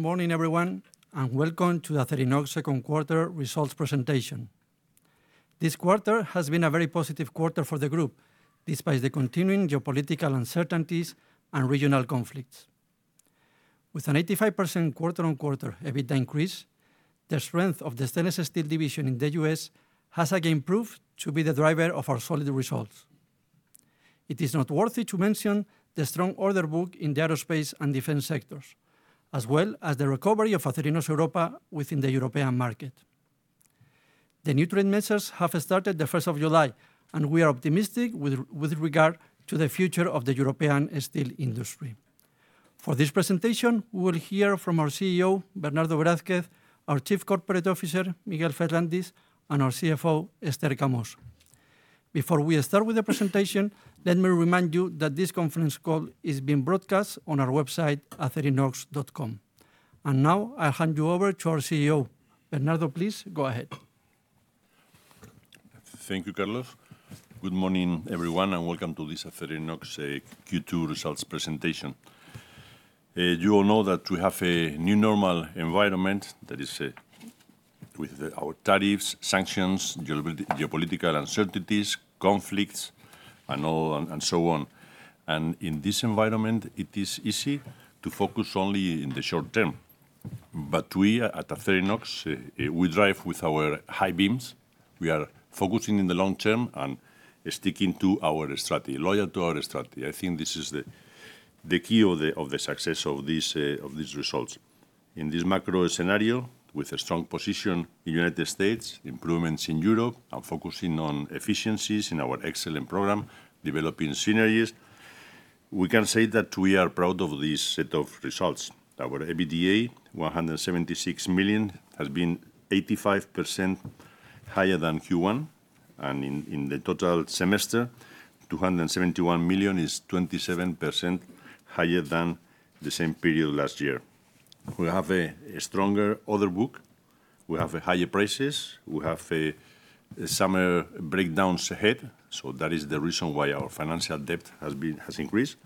Morning everyone. Welcome to Acerinox second quarter results presentation. This quarter has been a very positive quarter for the group despite the continuing geopolitical uncertainties and regional conflicts. With an 85% quarter-on-quarter EBITDA increase, the strength of the stainless-steel division in the U.S. has again proved to be the driver of our solid results. It is noteworthy to mention the strong order book in the aerospace and defense sectors, as well as the recovery of Acerinox Europa within the European market. The new trade measures have started the 1st of July. We are optimistic with regard to the future of the European steel industry. For this presentation, we will hear from our CEO, Bernardo Velázquez, our Chief Corporate Officer, Miguel Ferrandis, and our CFO, Esther Camós. Before we start with the presentation, let me remind you that this conference call is being broadcast on our website, acerinox.com. Now I hand you over to our CEO. Bernardo, please go ahead. Thank you, Carlos. Good morning, everyone. Welcome to this Acerinox Q2 results presentation. You all know that we have a new normal environment; that is with our tariffs, sanctions, geopolitical uncertainties, conflicts, and so on. In this environment, it is easy to focus only in the short term. We at Acerinox, we drive with our high beams. We are focusing in the long term and sticking to our strategy, loyal to our strategy. I think this is the key of the success of these results. In this macro scenario, with a strong position in United States, improvements in Europe, and focusing on efficiencies in our Beyond Excellence program, developing synergies, we can say that we are proud of this set of results. Our EBITDA, 176 million, has been 85% higher than Q1, and in the total semester, 271 million is 27% higher than the same period last year. We have a stronger order book. We have higher prices. We have summer breakdowns ahead. That is the reason why our financial debt has increased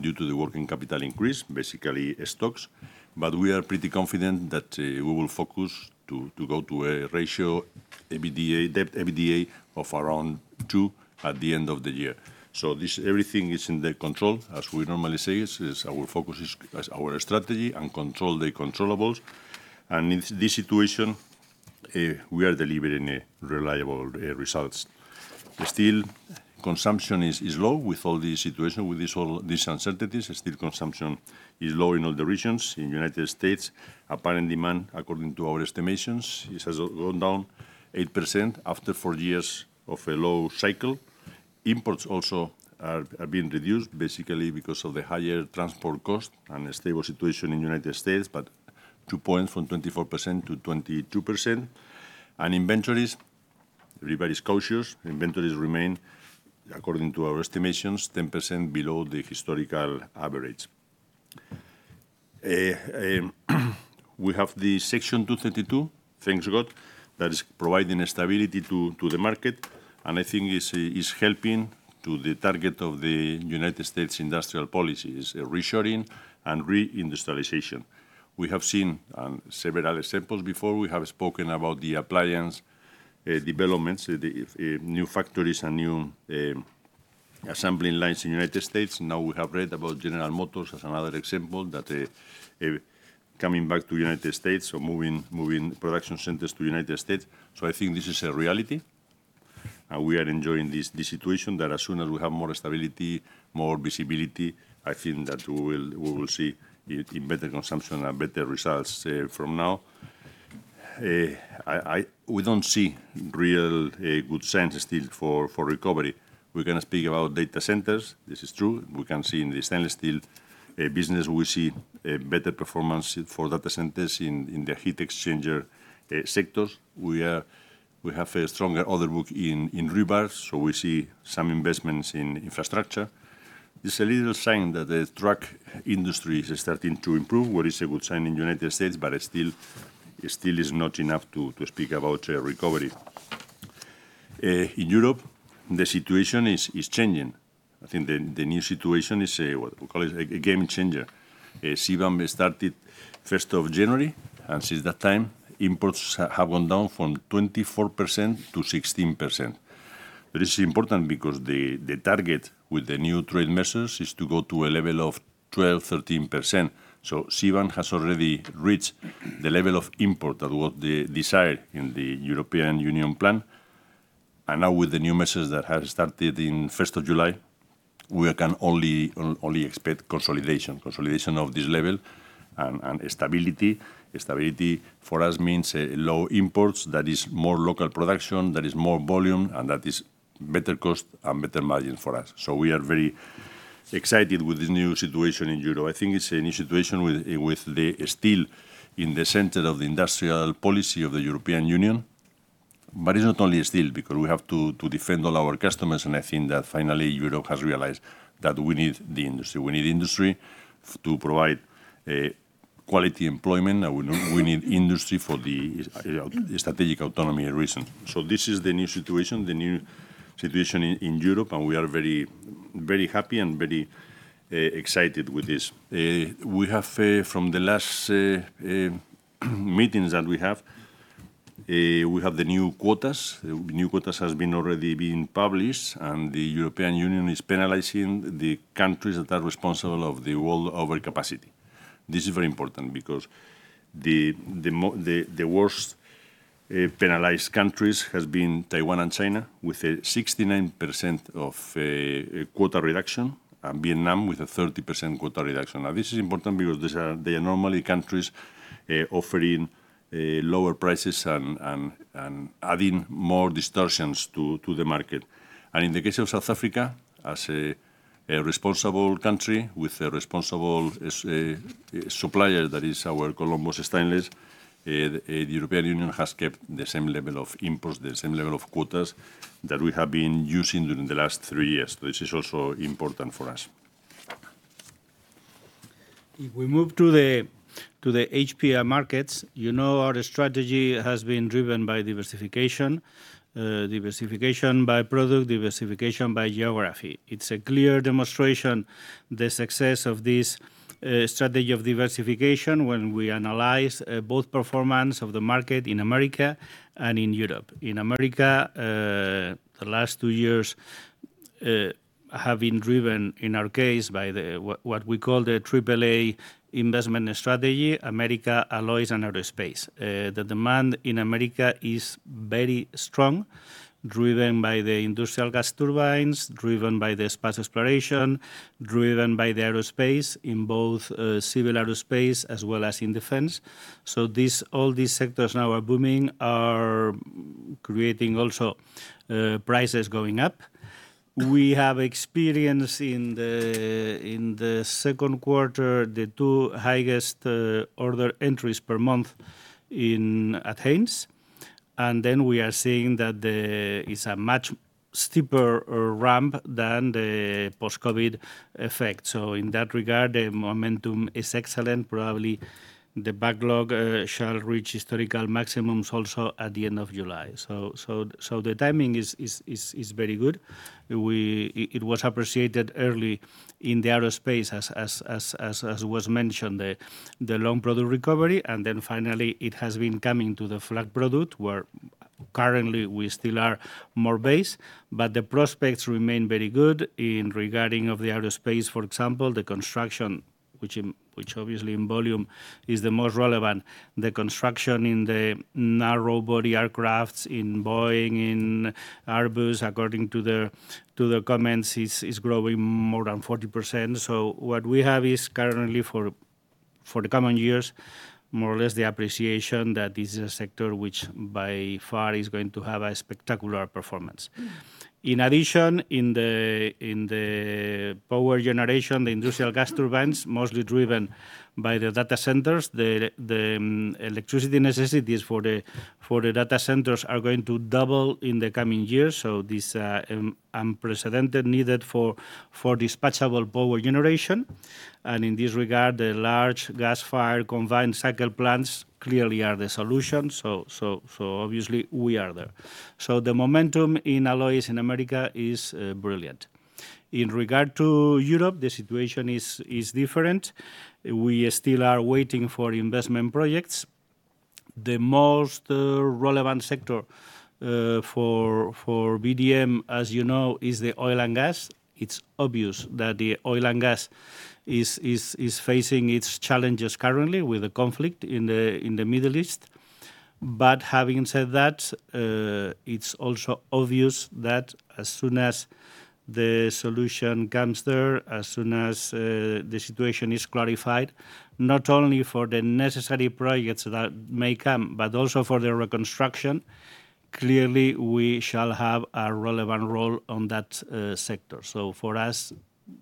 due to the working capital increase, basically stocks. We are pretty confident that we will focus to go to a ratio debt EBITDA of around 2 at the end of the year. Everything is in the control, as we normally say, our focus is our strategy and control the controllables. In this situation, we are delivering reliable results. Steel consumption is low with all this situation, with these uncertainties. Steel consumption is low in all the regions. In United States, apparent demand, according to our estimations, it has gone down 8% after four years of a low cycle. Imports are being reduced basically because of the higher transport cost and a stable situation in U.S., two points from 24% to 22%. Inventories, everybody's cautious. Inventories remain, according to our estimations, 10% below the historical average. We have the Section 232, thanks God, that is providing stability to the market, and I think is helping to the target of the U.S. industrial policies, reshoring and re-industrialization. We have seen several examples before. We have spoken about the appliance developments, new factories and new assembling lines in U.S. We have read about General Motors as another example that coming back to U.S. or moving production centers to U.S. I think this is a reality, and we are enjoying this situation that as soon as we have more stability, more visibility, I think that we will see better consumption and better results from now. We don't see real good signs still for recovery. We're going to speak about data centers. This is true. We can see in the stainless-steel business, we see a better performance for data centers in the heat exchanger sectors. We have a stronger order book in rebars, we see some investments in infrastructure. There's a little sign that the truck industry is starting to improve what is a good sign in U.S., but it still is not enough to speak about recovery. In Europe, the situation is changing. I think the new situation is what we call a game changer. CBAM started 1st of January, since that time, imports have gone down from 24% to 16%. This is important because the target with the new trade measures is to go to a level of 12%-13%. CBAM has already reached the level of import of what they desired in the European Union plan. With the new measures that have started in 1st of July, we can only expect consolidation of this level and stability. Stability for us means low imports. That is more local production, that is more volume, and that is better cost and better margin for us. We are very excited with this new situation in Europe. I think it's a new situation with the stainless steel in the center of the industrial policy of the European Union. It's not only stainless steel because we have to defend all our customers, I think that finally Europe has realized that we need the industry. We need industry to provide quality employment, we need industry for the strategic autonomy reasons. This is the new situation in Europe, we are very happy and very excited with this. From the last meetings that we have. New quotas has already been published, the European Union is penalizing the countries that are responsible of the world overcapacity. This is very important because the worst penalized countries has been Taiwan and China, with a 69% of quota reduction, and Vietnam with a 30% quota reduction. This is important because they are normally countries offering lower prices and adding more distortions to the market. In the case of South Africa, as a responsible country with a responsible supplier that is our Columbus Stainless, the European Union has kept the same level of imports, the same level of quotas that we have been using during the last three years. This is also important for us. If we move to the HPA markets, you know our strategy has been driven by diversification. Diversification by product, diversification by geography. It's a clear demonstration, the success of this strategy of diversification when we analyze both performance of the market in America and in Europe. In America, the last two years have been driven, in our case, by what we call the AAA investment strategy, America Alloys and Aerospace. The demand in America is very strong, driven by the industrial gas turbines, driven by the space exploration, driven by the aerospace in both civil aerospace as well as in defense. All these sectors now are booming, are creating also prices going up. We have experience in the second quarter, the two highest order entries per month at Haynes. We are seeing that there is a much steeper ramp than the post-COVID effect. In that regard, the momentum is excellent. Probably the backlog shall reach historical maximums also at the end of July. The timing is very good. It was appreciated early in the aerospace as was mentioned, the long product recovery, and then finally it has been coming to the flat product where currently we still are more base, but the prospects remain very good in regarding of the aerospace, for example, the construction, which obviously in volume is the most relevant. The construction in the narrow body aircrafts in Boeing, in Airbus according to the comments is growing more than 40%. What we have is currently for the coming years, more or less the appreciation that this is a sector which by far is going to have a spectacular performance. In addition, in the power generation, the industrial gas turbines, mostly driven by the data centers. The electricity necessities for the data centers are going to double in the coming years. This unprecedented needed for dispatchable power generation. In this regard, the large gas fire combined cycle plants clearly are the solution. Obviously we are there. The momentum in alloys in America is brilliant. In regard to Europe, the situation is different. We still are waiting for investment projects. The most relevant sector for VDM, as you know, is the oil and gas. It's obvious that the oil and gas is facing its challenges currently with the conflict in the Middle East. Having said that, it's also obvious that as soon as the solution comes there, as soon as the situation is clarified, not only for the necessary projects that may come, but also for the reconstruction, clearly, we shall have a relevant role on that sector. For us,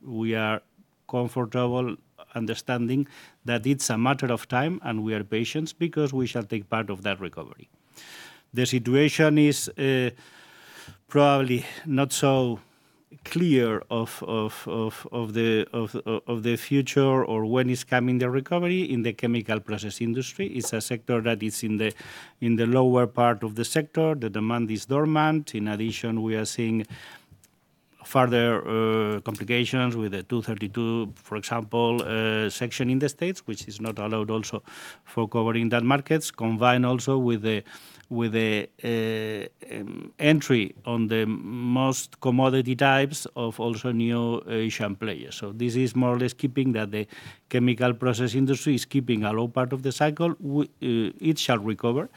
we are comfortable understanding that it is a matter of time and we are patient because we shall take part of that recovery. The situation is probably not so clear of the future or when is coming the recovery in the chemical process industry. It is a sector that is in the lower part of the sector. The demand is dormant. In addition, we are seeing further complications with the Section 232, for example, in the U.S., which is not allowed also for covering that markets combined also with the entry on the most commodity types of also new Asian players. This is more or less keeping that the chemical process industry is keeping a low part of the cycle. It shall recover.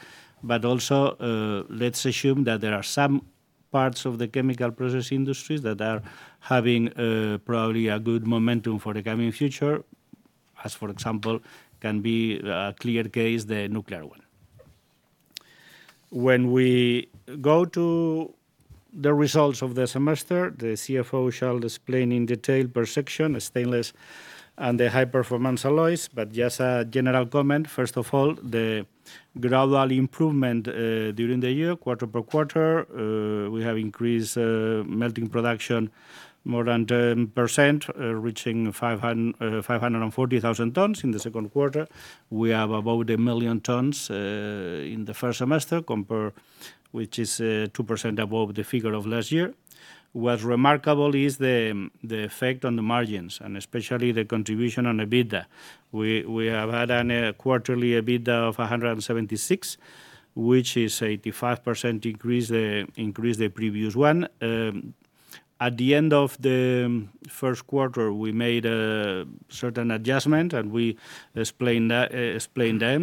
Also, let us assume that there are some parts of the chemical process industry that are having probably a good momentum for the coming future. As, for example, can be a clear case, the nuclear one. When we go to the results of the semester, the CFO shall explain in detail per section, the stainless and the High-Performance Alloys. Just a general comment, first of all, the gradual improvement during the year quarter per quarter, we have increased melting production more than 10%, reaching 540,000 tons in the second quarter. We have about 1 million tons in the first semester compared Which is 2% above the figure of last year. What is remarkable is the effect on the margins, and especially the contribution on the EBITDA. We have had a quarterly EBITDA of 176, which is 85% increase the previous one. At the end of the first quarter, we made a certain adjustment and we explained them.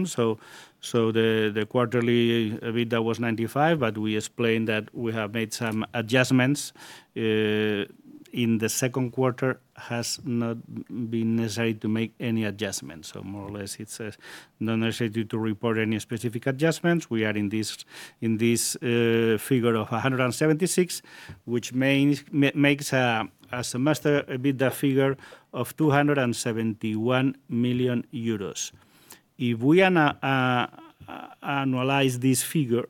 The quarterly EBITDA was 95, but we explained that we have made some adjustments. In the second quarter has not been necessary to make any adjustments. More or less, it is not necessary to report any specific adjustments. We are in this figure of 176, which makes a semester EBITDA figure of 271 million euros. If we annualize this figure,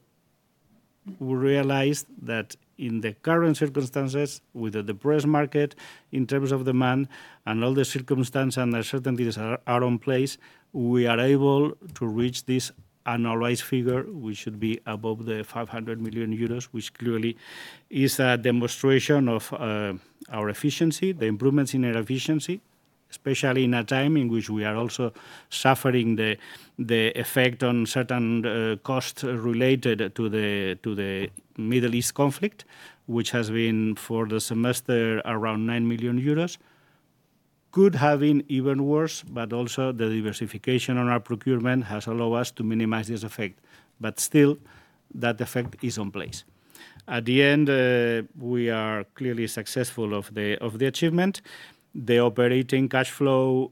we realize that in the current circumstances, with the depressed market in terms of demand and all the circumstance and the certainties are on place, we are able to reach this annualized figure, which should be above 500 million euros, which clearly is a demonstration of our efficiency, the improvements in our efficiency, especially in a time in which we are also suffering the effect on certain costs related to the Middle East conflict, which has been for the semester around 9 million euros. Could have been even worse, but also the diversification on our procurement has allowed us to minimize this effect. Still, that effect is in place. At the end, we are clearly successful of the achievement. The operating cash flow,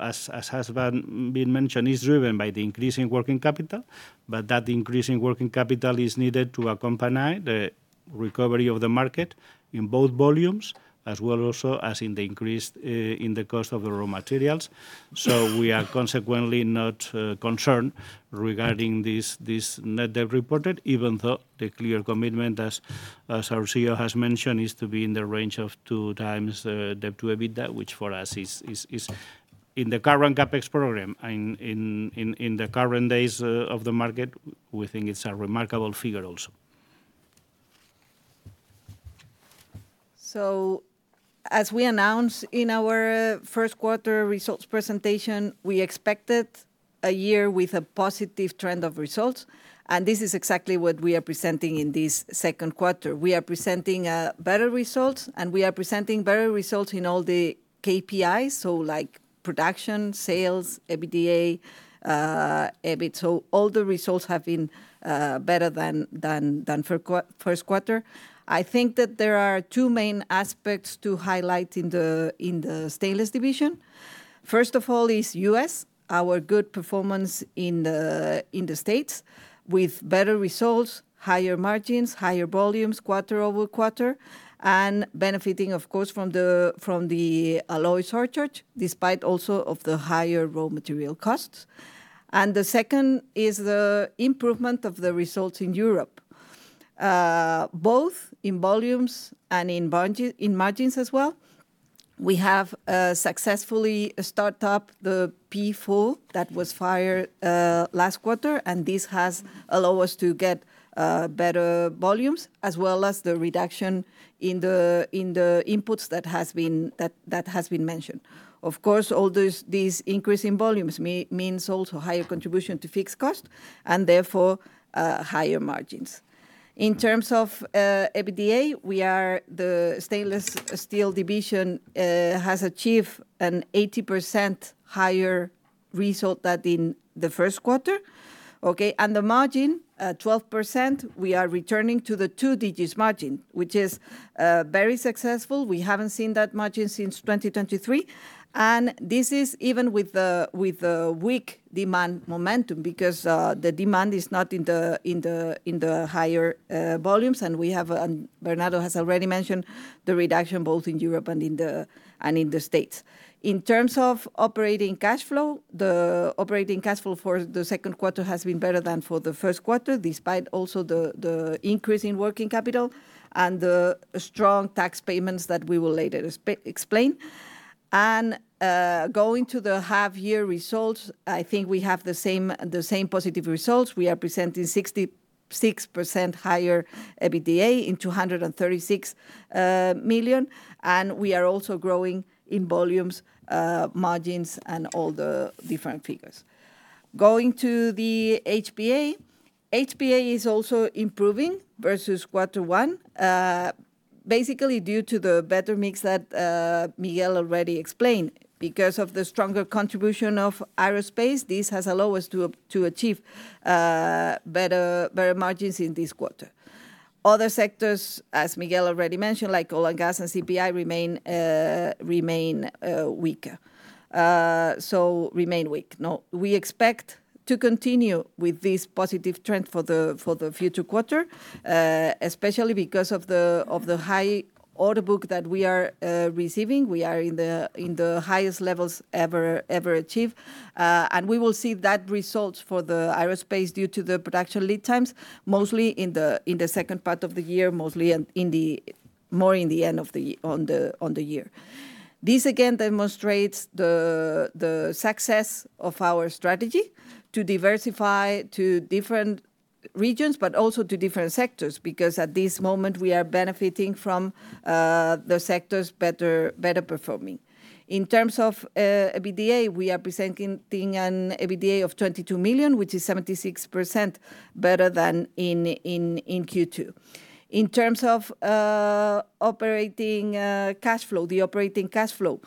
as has been mentioned, is driven by the increase in working capital, but that increase in working capital is needed to accompany the recovery of the market in both volumes as well as in the increase in the cost of the raw materials. We are consequently not concerned regarding this net debt reported, even though the clear commitment as our CEO has mentioned, is to be in the range of two times debt to EBITDA, which for us is in the current CapEx program in the current days of the market, we think it is a remarkable figure also. As we announced in our first quarter results presentation, we expected a year with a positive trend of results, and this is exactly what we are presenting in this second quarter. We are presenting better results, and we are presenting better results in all the KPIs. Production, sales, EBITDA, EBIT, all the results have been better than first quarter. I think that there are two main aspects to highlight in the Stainless division. First of all is U.S., our good performance in the States with better results, higher margins, higher volumes, quarter-over-quarter, and benefiting, of course, from the alloy surcharge, despite also of the higher raw material costs. The second is the improvement of the results in Europe, both in volumes and in margins as well. We have successfully start up the P4 that was fired last quarter, and this has allowed us to get better volumes as well as the reduction in the inputs that has been mentioned. Of course, all these increases in volumes means also higher contribution to fixed cost and therefore, higher margins. In terms of EBITDA, the Stainless-steel division has achieved an 80% higher result than in the first quarter. The margin, 12%, we are returning to the two digits margin, which is very successful. We haven't seen that margin since 2023. This is even with the weak demand momentum because the demand is not in the higher volumes. Bernardo has already mentioned the reduction both in Europe and in the States. In terms of operating cash flow, the operating cash flow for the second quarter has been better than for the first quarter, despite also the increase in working capital and the strong tax payments that we will later explain. Going to the half year results, I think we have the same positive results. We are presenting 66% higher EBITDA in 236 million, we are also growing in volumes, margins, and all the different figures. Going to the HPA. HPA is also improving versus quarter one, basically due to the better mix that Miguel already explained. Because of the stronger contribution of aerospace, this has allowed us to achieve better margins in this quarter. Other sectors, as Miguel already mentioned, like oil & gas and CPI remain weak. We expect to continue with this positive trend for the future quarter, especially because of the high order book that we are receiving. We are in the highest levels ever achieved. We will see that results for the aerospace due to the production lead times, mostly in the second part of the year, more in the end on the year. This again demonstrates the success of our strategy to diversify to different regions, but also to different sectors, because at this moment we are benefiting from the sectors better performing. In terms of EBITDA, we are presenting an EBITDA of 22 million, which is 76% better than in Q2. In terms of operating cash flow, the operating cash flow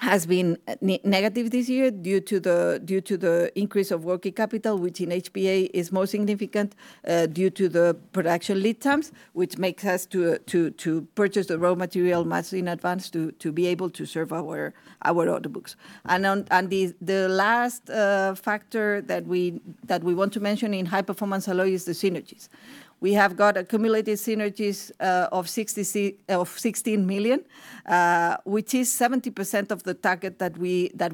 has been negative this year due to the increase of working capital, which in HPA is most significant due to the production lead times, which makes us to purchase the raw material much in advance to be able to serve our order books. The last factor that we want to mention in High-Performance alone is the synergies. We have got accumulated synergies of 16 million, which is 70% of the target that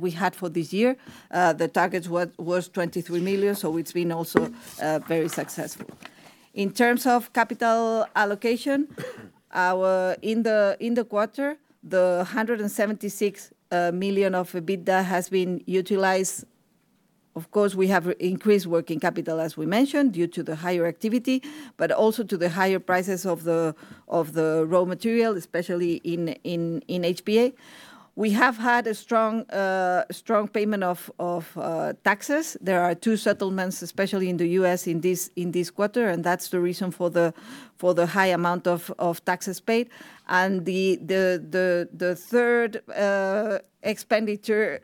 we had for this year. The target was 23 million, so it's been also very successful. In terms of capital allocation, in the quarter, the 176 million of EBITDA has been utilized. Of course, we have increased working capital, as we mentioned, due to the higher activity, but also to the higher prices of the raw material, especially in HPA. We have had a strong payment of taxes. There are two settlements, especially in the U.S., in this quarter, that's the reason for the high amount of taxes paid. The third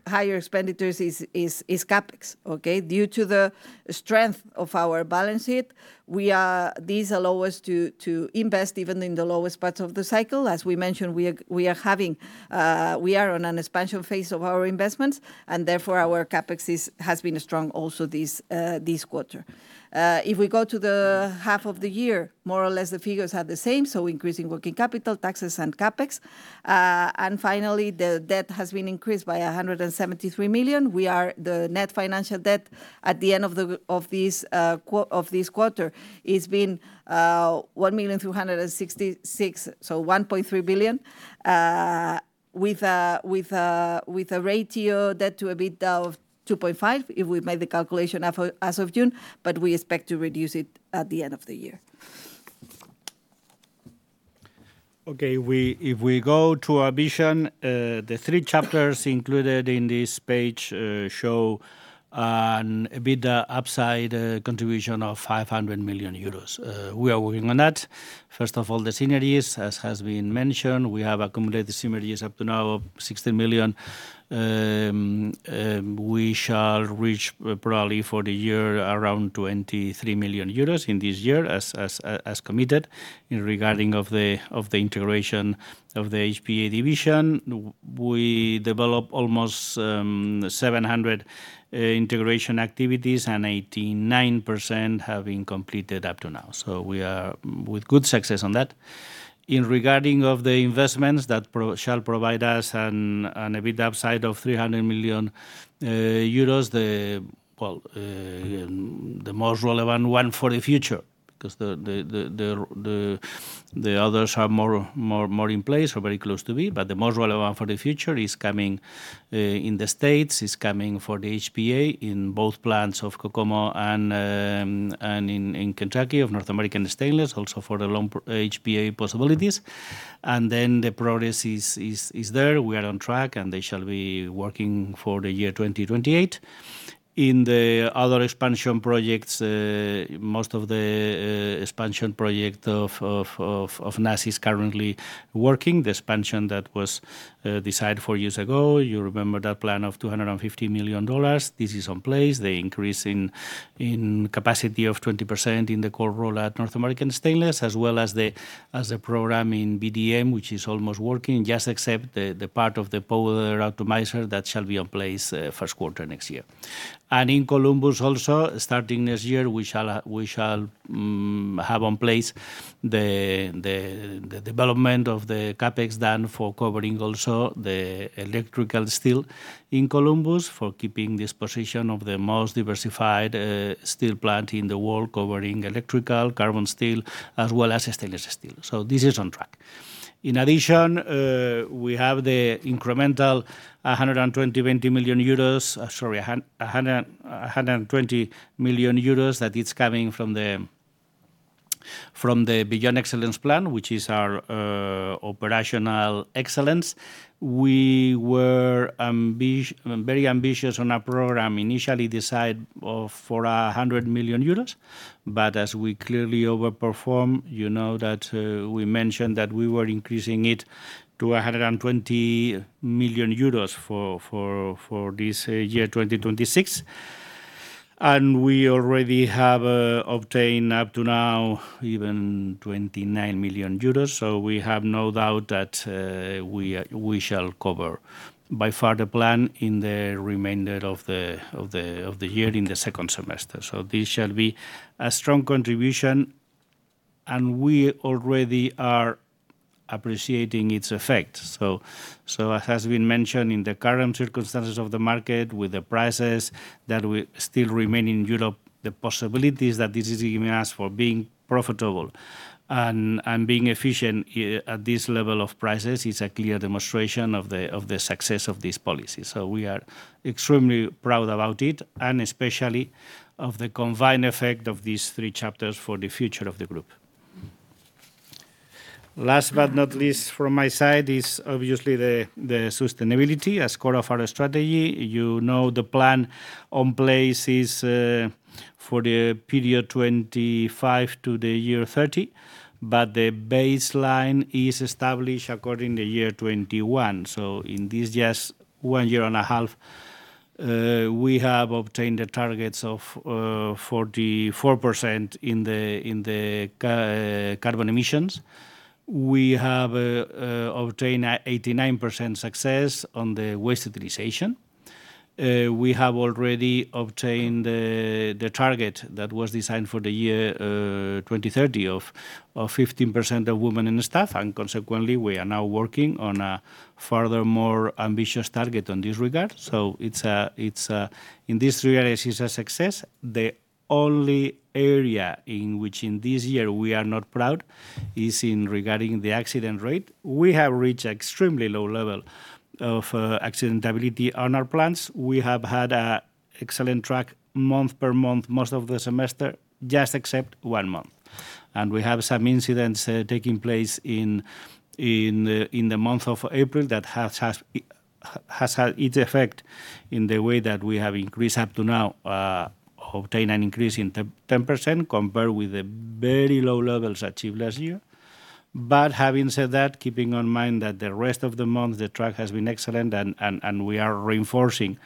higher expenditures is CapEx. Due to the strength of our balance sheet, these allow us to invest even in the lowest parts of the cycle. As we mentioned, we are on an expansion phase of our investments, therefore, our CapEx has been strong also this quarter. If we go to the half of the year, more or less the figures are the same, so increase in working capital, taxes, and CapEx. Finally, the debt has been increased by 173 million. The net financial debt at the end of this quarter 1.3 billion, with a ratio debt to EBITDA of 2.5 if we made the calculation as of June, but we expect to reduce it at the end of the year. Okay. If we go to our vision, the three chapters included in this page show an EBITDA upside contribution of 500 million euros. We are working on that. First of all, the synergies, as has been mentioned. We have accumulated synergies up to now of 60 million. We shall reach probably for the year around 23 million euros in this year, as committed. In regarding of the integration of the HPA division, we developed almost 700 integration activities, 89% have been completed up to now. We are with good success on that. In regarding of the investments that shall provide us an EBITDA upside of EUR 300 million, the most relevant one for the future, because the others are more in place or very close to be. The most relevant for the future is coming in the U.S., is coming for the HPA in both plants of Kokomo and in Kentucky of North American Stainless, also for the HPA possibilities. The progress is there. We are on track, and they shall be working for the year 2028. In the other expansion projects, most of the expansion project of Nass is currently working. The expansion that was decided four years ago, you remember that plan of $250 million. This is in place. The increase in capacity of 20% in the cold roll at North American Stainless, as well as the program in VDM, which is almost working, just except the part of the powder optimizer that shall be in place first quarter next year. In Columbus also, starting next year, we shall have in place the development of the CapEx done for covering also the electrical steel in Columbus for keeping this position of the most diversified steel plant in the world, covering electrical carbon steel as well as stainless steel. This is on track. In addition, we have the incremental 120 million euros that it's coming from the Beyond Excellence plan, which is our operational excellence. We were very ambitious on our program, initially decide for 100 million euros. As we clearly overperformed, you know that we mentioned that we were increasing it to 120 million euros for this year, 2026. We already have obtained up to now even 29 million euros. We have no doubt that we shall cover by far the plan in the remainder of the year in the second semester. This shall be a strong contribution. We already are appreciating its effect. As has been mentioned, in the current circumstances of the market, with the prices that will still remain in Europe, the possibilities that this is giving us for being profitable and being efficient at this level of prices is a clear demonstration of the success of this policy. We are extremely proud about it, and especially of the combined effect of these three chapters for the future of the group. Last but not least, from my side is obviously the sustainability as core of our strategy. You know the plan on place is for the period 2025 to the year 2030, but the baseline is established according to year 2021. In this just one year and a half, we have obtained the targets of 44% in the carbon emissions. We have obtained 89% success on the waste utilization. We have already obtained the target that was designed for the year 2030 of 15% of women in the staff, consequently, we are now working on a furthermore ambitious target on this regard. In this regard, it's a success. The only area in which in this year we are not proud is in regarding the accident rate. We have reached extremely low level of accident ability on our plans. We have had an excellent track month per month, most of the semester, just except one month. We have some incidents taking place in the month of April that has had its effect in the way that we have increased up to now, obtained an increase in 10% compared with the very low levels achieved last year. Having said that, keeping in mind that the rest of the month, the track has been excellent and we are reinforcing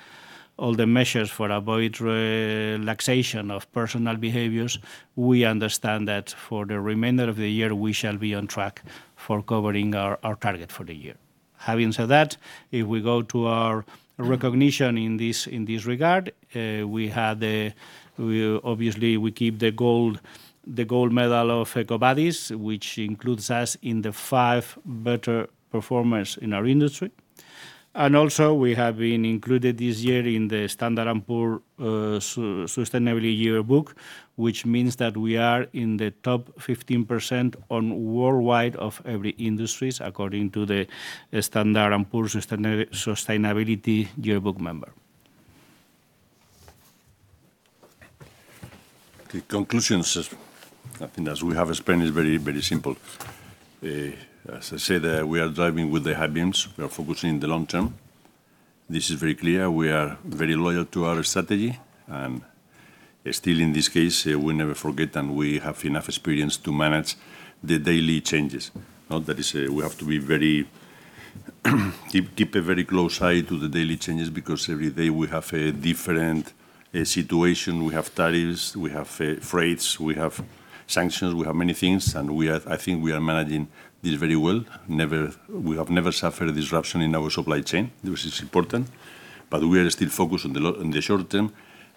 all the measures for avoid relaxation of personal behaviors. We understand that for the remainder of the year, we shall be on track for covering our target for the year. Having said that, if we go to our recognition in this regard, obviously we keep the gold medal of EcoVadis, which includes us in the five better performers in our industry. Also, we have been included this year in the S&P Global Sustainability Yearbook, which means that we are in the top 15% on worldwide of every industries according to the S&P Global Sustainability Yearbook member. The conclusions, I think as we have explained, is very simple. As I said, we are driving with the high beams. We are focusing in the long term. This is very clear. We are very loyal to our strategy. Still, in this case, we never forget, and we have enough experience to manage the daily changes. We have to keep a very close eye to the daily changes because every day we have a different situation. We have tariffs, we have freights, we have sanctions, we have many things, I think we are managing this very well. We have never suffered a disruption in our supply chain, which is important. We are still focused on the short term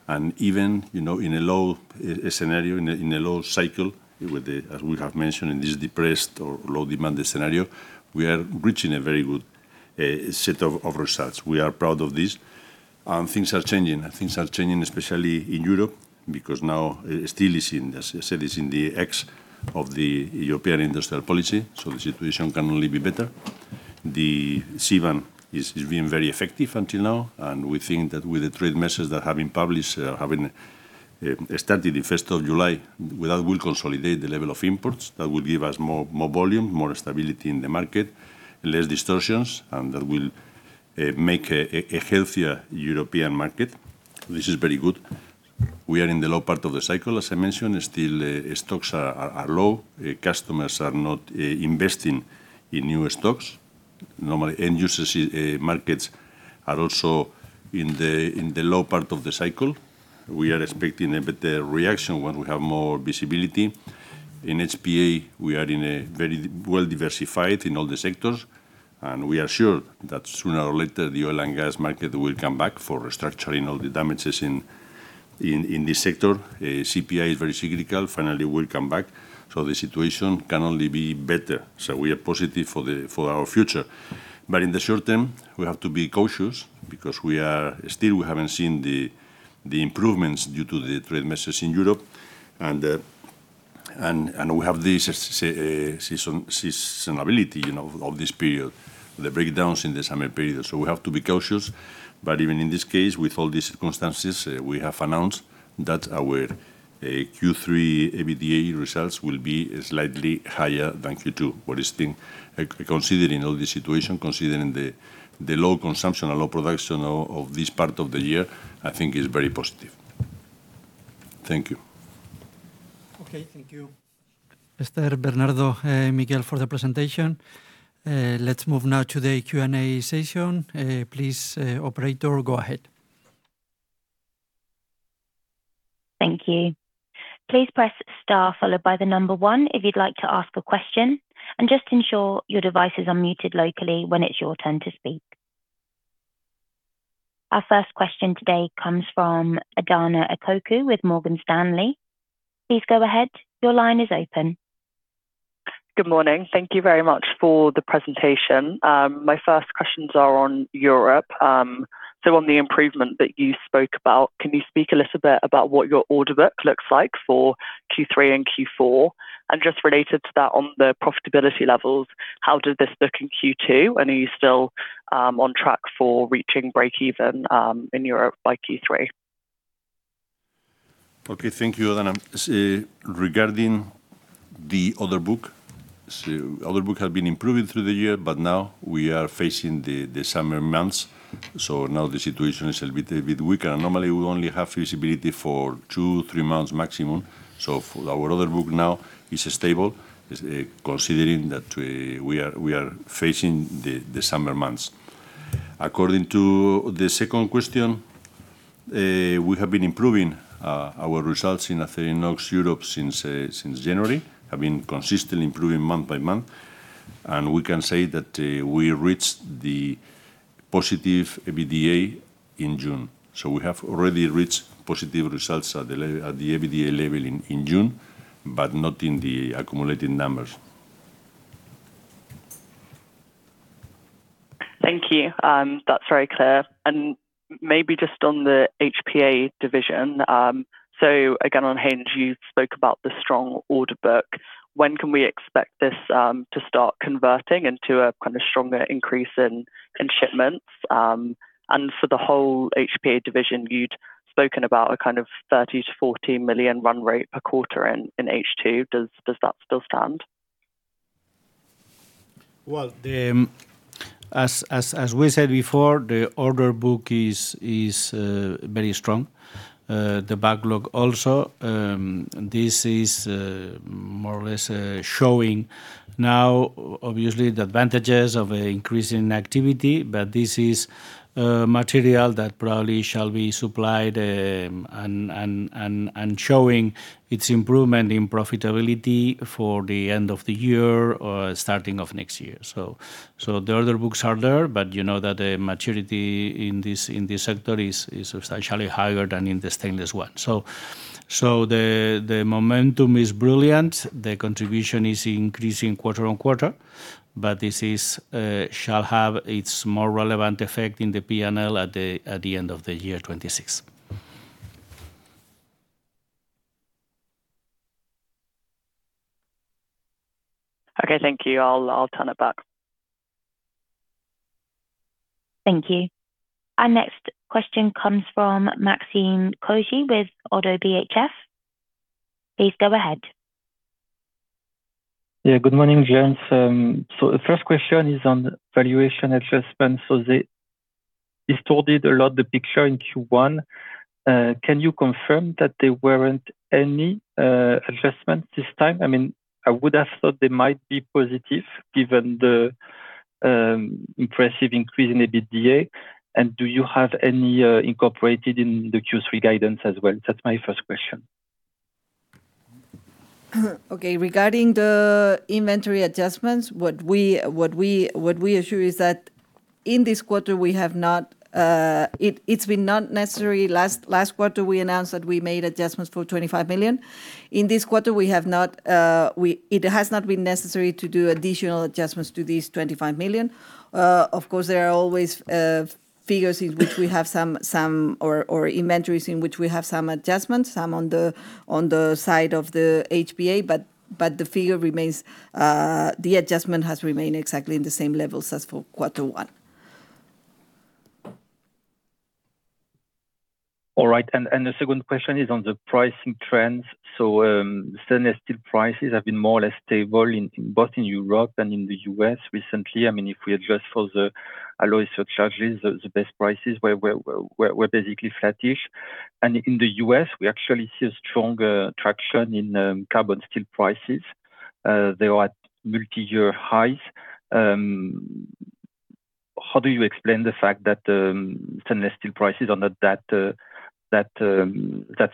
and even in a low scenario, in a low cycle with the, as we have mentioned, in this depressed or low demand scenario, we are reaching a very good set of results. We are proud of this. Things are changing. Things are changing, especially in Europe, because now steel is in, as I said, is in the X of the European industrial policy, so the situation can only be better. The CBAM is being very effective until now, and we think that with the trade measures that have been published, have been started the 1st of July, that will consolidate the level of imports, that will give us more volume, more stability in the market, less distortions, and that will make a healthier European market. This is very good. We are in the low part of the cycle, as I mentioned. Still, stocks are low. Customers are not investing in new stocks. Normally, end users markets are also in the low part of the cycle. We are expecting a better reaction when we have more visibility. In HPA, we are very well diversified in all the sectors, and we are sure that sooner or later, the oil and gas market will come back for restructuring all the damages in this sector. CPI is very cyclical. Finally will come back, so the situation can only be better. We are positive for our future. In the short term, we have to be cautious because still we haven't seen the improvements due to the trade measures in Europe. We have this seasonality of this period, the breakdowns in the summer period, so we have to be cautious. Even in this case, with all these circumstances, we have announced that our Q3 EBITDA results will be slightly higher than Q2. What is being considering all the situation, considering the low consumption and low production of this part of the year, I think is very positive. Thank you. Okay. Thank you, Esther, Bernardo, and Miguel for the presentation. Let's move now to the Q&A session. Please, operator, go ahead. Thank you. Please press star followed by the number one if you'd like to ask a question, and just ensure your devices are muted locally when it's your turn to speak. Our first question today comes from Adahna Ekoku with Morgan Stanley. Please go ahead. Your line is open. Good morning. Thank you very much for the presentation. My first questions are on Europe. On the improvement that you spoke about, can you speak a little bit about what your order book looks like for Q3 and Q4? Just related to that, on the profitability levels, how did this look in Q2? Are you still on track for reaching breakeven in Europe by Q3? Okay. Thank you, Adahna. Regarding the order book, order book had been improving through the year, but now we are facing the summer months, the situation is a little bit weaker. Normally, we only have visibility for two, three months maximum. Our order book now is stable, considering that we are facing the summer months. According to the second question, we have been improving our results in Acerinox Europa since January, have been consistently improving month by month, and we can say that we reached the positive EBITDA in June. We have already reached positive results at the EBITDA level in June, but not in the accumulated numbers. Thank you. That's very clear. Maybe just on the HPA division. Again, on hands you spoke about the strong order book. When can we expect this to start converting into a kind of stronger increase in shipments? For the whole HPA division, you'd spoken about a kind of 30 million to 40 million run rate per quarter in H2. Does that still stand? Well, as we said before, the order book is very strong. The backlog also. This is more or less showing now, obviously, the advantages of increase in activity. This is material that probably shall be supplied and showing its improvement in profitability for the end of the year or starting of next year. The order books are there, but you know that the maturity in this sector is substantially higher than in the stainless one. The momentum is brilliant. The contribution is increasing quarter on quarter, but this shall have its more relevant effect in the P&L at the end of the year 2026. Okay, thank you. I'll turn it back. Thank you. Our next question comes from Maxime Kogge with Oddo BHF. Please go ahead. Yeah, good morning, gents. The first question is on valuation adjustment. They distorted a lot the picture in Q1. Can you confirm that there weren't any adjustments this time? I would have thought they might be positive given the impressive increase in EBITDA. Do you have any incorporated in the Q3 guidance as well? That's my first question. Okay. Regarding the inventory adjustments, what we assure is that in this quarter it's been not necessary. Last quarter, we announced that we made adjustments for 25 million. In this quarter, it has not been necessary to do additional adjustments to these 25 million. Of course, there are always figures in which we have inventories in which we have some adjustments, some on the side of the HPA, but the adjustment has remained exactly in the same levels as for quarter one. All right. The second question is on the pricing trends. Stainless steel prices have been more or less stable both in Europe and in the U.S. recently. If we adjust for the alloy surcharges, the best prices were basically flattish. In the U.S., we actually see a stronger traction in carbon steel prices. They are at multi-year highs. How do you explain the fact that stainless steel prices are not that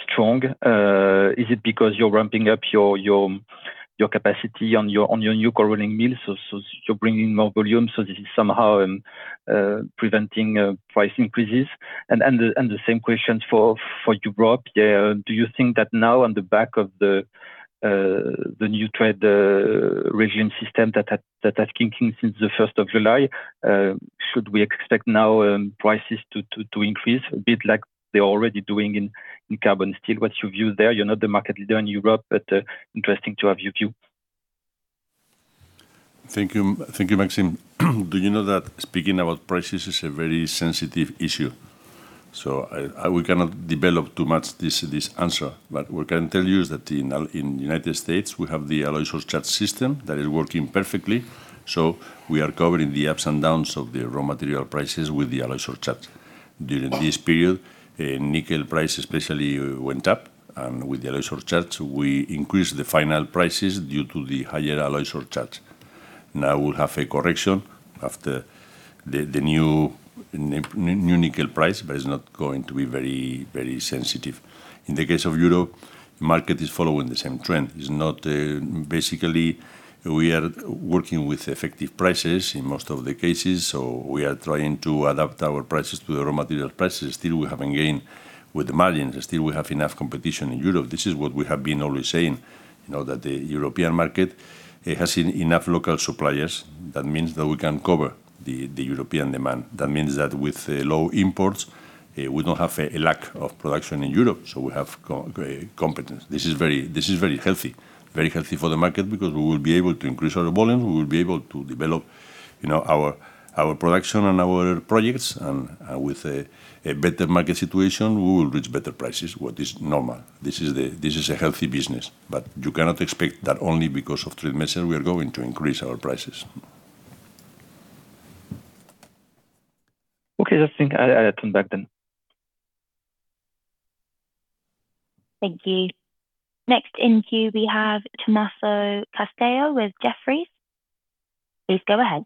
strong? Is it because you're ramping up your capacity on your new core rolling mills, so you're bringing more volume, so this is somehow preventing price increases? The same question for Europe. Do you think that now on the back of the new trade regime system that has kicking since the 1st of July, should we expect now prices to increase a bit like they're already doing in carbon steel? What's your view there? You're not the market leader in Europe, but interesting to have your view. Thank you, Maxime. You know that speaking about prices is a very sensitive issue, so we cannot develop too much this answer. We can tell you is that in United States, we have the alloy surcharge system that is working perfectly. We are covering the ups and downs of the raw material prices with the alloy surcharge. During this period, nickel price especially went up, and with the alloy surcharge, we increased the final prices due to the higher alloy surcharge. Now we'll have a correction after the new nickel price, but it's not going to be very sensitive. In the case of Europe, the market is following the same trend. Basically, we are working with effective prices in most of the cases, so we are trying to adapt our prices to the raw material prices. Still, we haven't gained with the margins. Still, we have enough competition in Europe. This is what we have been always saying, that the European market has enough local suppliers. That means that we can cover the European demand. That means that with low imports, we don't have a lack of production in Europe, so we have competence. This is very healthy. Very healthy for the market because we will be able to increase our volume, we will be able to develop our production and our projects, and with a better market situation, we will reach better prices, what is normal. This is a healthy business. You cannot expect that only because of three months we are going to increase our prices. Okay. That's it. I'll turn back then. Thank you. Next in queue we have Tommaso Castello with Jefferies. Please go ahead.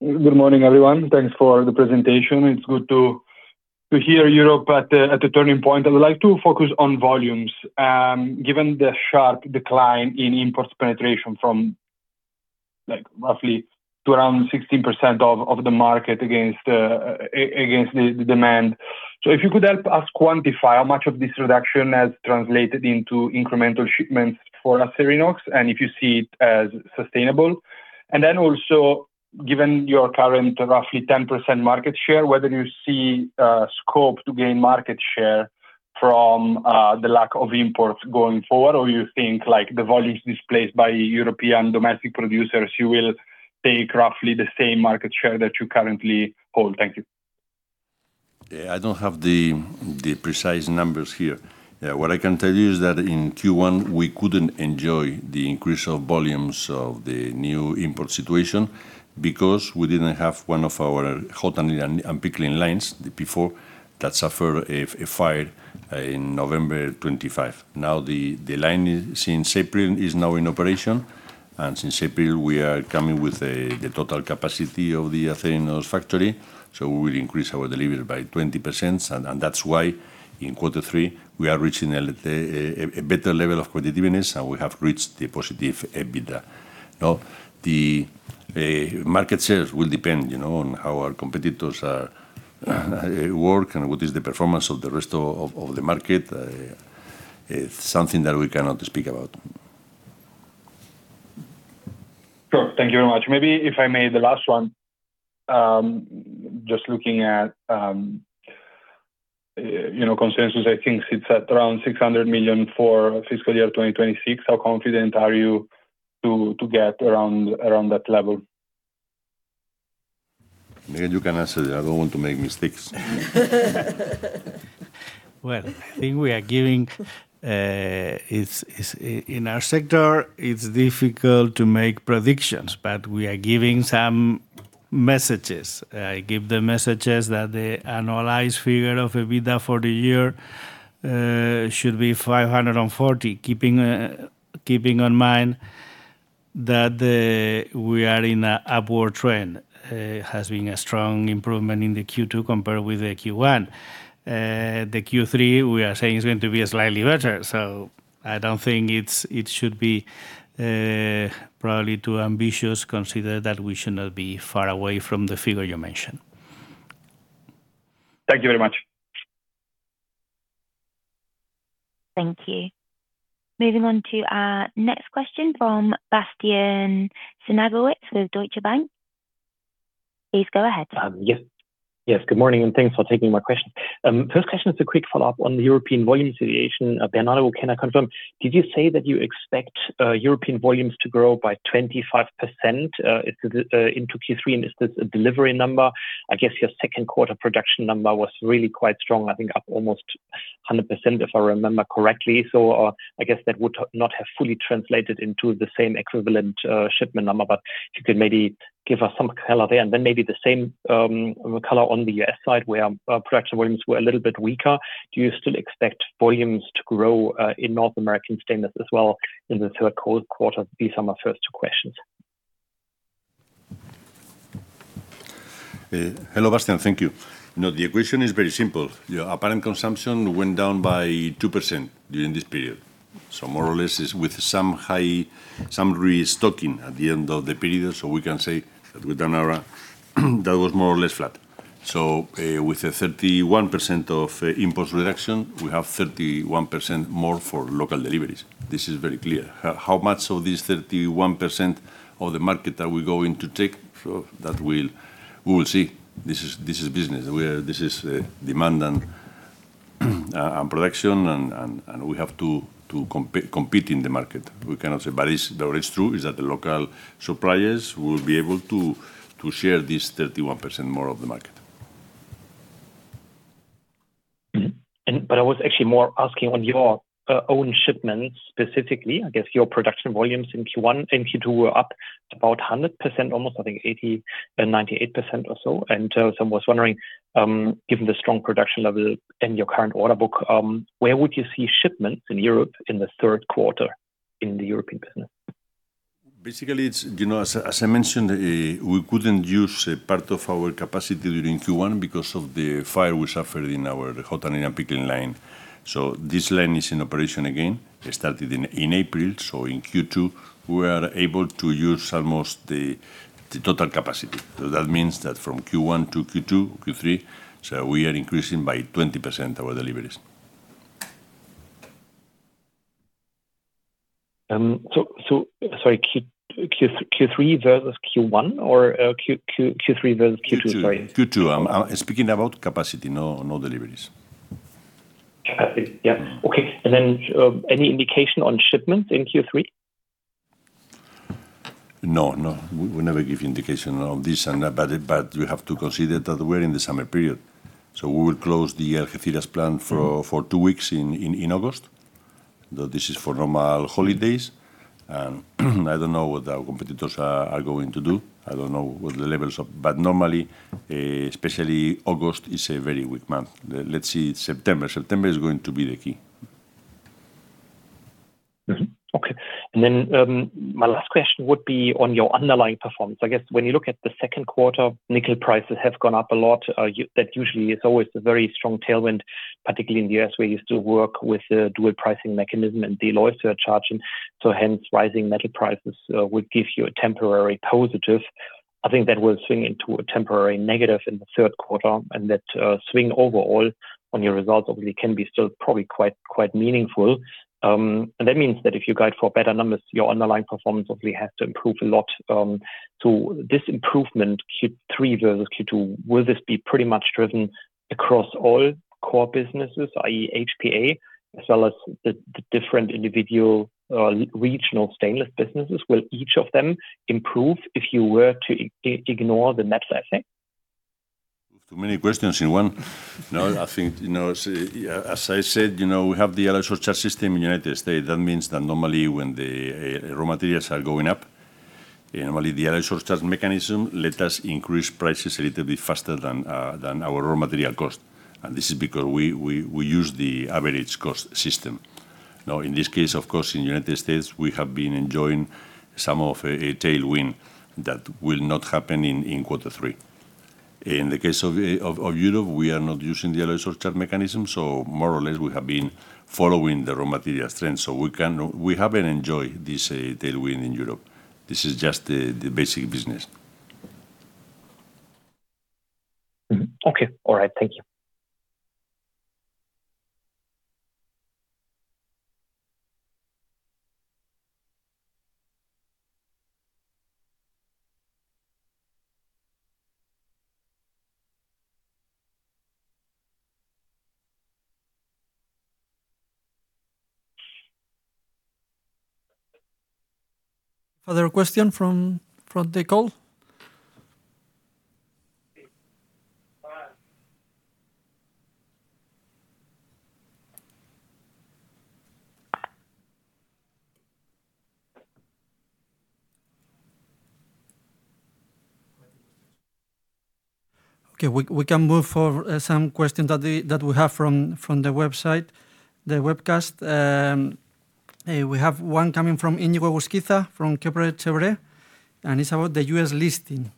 Good morning, everyone. Thanks for the presentation. It is good to hear Europe at a turning point. I would like to focus on volumes, given the sharp decline in imports penetration from roughly to around 16% of the market against the demand. If you could help us quantify how much of this reduction has translated into incremental shipments for Acerinox and if you see it as sustainable. Also, given your current roughly 10% market share, whether you see scope to gain market share from the lack of imports going forward, or you think the volumes displaced by European domestic producers, you will take roughly the same market share that you currently hold. Thank you. I do not have the precise numbers here. What I can tell you is that in Q1, we could not enjoy the increase of volumes of the new import situation because we did not have one of our hot and pickling lines before that suffered a fire in November 25. The line, since April, is now in operation, and since April, we are coming with the total capacity of the Acerinox factory, so we will increase our delivery by 20%. That is why in quarter three, we are reaching a better level of productiveness, and we have reached the positive EBITDA. The market shares will depend on how our competitors work and what is the performance of the rest of the market. It is something that we cannot speak about. Sure. Thank you very much. Maybe if I may, the last one. Just looking at consensus, I think it is at around 600 million for fiscal year 2026. How confident are you to get around that level? Miguel, you can answer that. I don't want to make mistakes. Well, I think in our sector, it's difficult to make predictions, but we are giving some messages. I give the messages that the annualized figure of EBITDA for the year should be 540, keeping in mind that we are in an upward trend. There has been a strong improvement in the Q2 compared with the Q1. The Q3, we are saying, is going to be slightly better. I don't think it should be probably too ambitious, considering that we should not be far away from the figure you mentioned. Thank you very much. Thank you. Moving on to our next question from Bastian Synagowitz with Deutsche Bank. Please go ahead. Yes. Good morning, and thanks for taking my question. First question is a quick follow-up on the European volume situation. Bernardo, can I confirm, did you say that you expect European volumes to grow by 25% into Q3, and is this a delivery number? I guess your second quarter production number was really quite strong, I think up almost 100%, if I remember correctly. I guess that would not have fully translated into the same equivalent shipment number, but if you could maybe give us some color there, and then maybe the same color on the U.S. side, where production volumes were a little bit weaker. Do you still expect volumes to grow in North American Stainless as well in the third quarter? These are my first two questions. Hello, Bastian. Thank you. The equation is very simple. The apparent consumption went down by 2% during this period. More or less, it's with some restocking at the end of the period, we can say that with demand, that was more or less flat. With a 31% of imports reduction, we have 31% more for local deliveries. This is very clear. How much of this 31% of the market are we going to take? That we will see. This is business. This is demand and production, and we have to compete in the market. We cannot say, but it's true is that the local suppliers will be able to share this 31% more of the market. I was actually more asking on your own shipments specifically. I guess your production volumes in Q2 were up about 100%, almost, I think 80% and 98% or so. I was wondering, given the strong production level and your current order book, where would you see shipments in Europe in the third quarter in the European business? Basically, as I mentioned, we couldn't use part of our capacity during Q1 because of the fire we suffered in our hot rolling and pickling line. This line is in operation again. It started in April, in Q2, we are able to use almost the total capacity. That means that from Q1 to Q2, Q3, we are increasing our deliveries by 20%. Sorry, Q3 versus Q1 or Q3 versus Q2? Sorry. Q2. I'm speaking about capacity, no deliveries. Capacity. Yeah. Okay. Then, any indication on shipments in Q3? No. We never give indication of this, you have to consider that we're in the summer period, we will close the Algeciras plant for two weeks in August, though this is for normal holidays, I don't know what our competitors are going to do. I don't know what the levels are. Normally, especially August, is a very weak month. Let's see September. September is going to be the key. My last question would be on your underlying performance. I guess when you look at the second quarter, nickel prices have gone up a lot. That usually is always a very strong tailwind, particularly in the U.S., where you still work with the dual pricing mechanism and alloy surcharge. Hence, rising metal prices would give you a temporary positive. I think that will swing into a temporary negative in the third quarter, and that swing overall on your results obviously can be still probably quite meaningful. That means that if you guide for better numbers, your underlying performance obviously has to improve a lot. This improvement, Q3 versus Q2, will this be pretty much driven across all core businesses, i.e. HPA, as well as the different individual regional stainless businesses? Will each of them improve if you were to ignore the metal asset? Too many questions in one. As I said, we have the alloy surcharge system in the United States. That means that normally when the raw materials are going up, normally the alloy surcharge mechanism let us increase prices a little bit faster than our raw material cost. This is because we use the average cost system. In this case, of course, in the United States, we have been enjoying some of a tailwind. That will not happen in quarter three. In the case of Europe, we are not using the alloy surcharge mechanism, more or less, we have been following the raw material strength, we haven't enjoyed this tailwind in Europe. This is just the basic business. Okay. All right. Thank you. Further question from the call? We can move for some questions that we have from the website, the webcast. We have one coming from Iñigo Busquets from Kepler Cheuvreux, and it's about the U.S. listing.